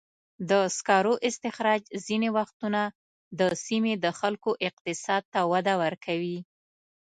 د سکرو استخراج ځینې وختونه د سیمې د خلکو اقتصاد ته وده ورکوي.